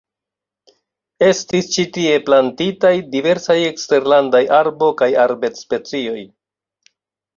Estis ĉi tie plantitaj diversaj eksterlandaj arbo- kaj arbed-specioj.